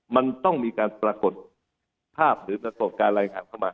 มันต้องมีการปรากฏภาพหรือปรากฏการณ์รายงานเข้ามา